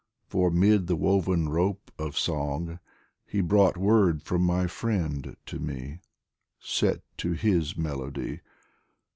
for 'mid the woven rope Of song, he brought word from my Friend to me Set to his melody.